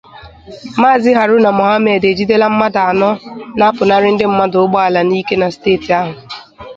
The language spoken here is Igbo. Maazị Harụna Mọhammed ejidela mmadụ anọ na-apụnara ndị mmadụ ụgbọala n'ike na steeti ahụ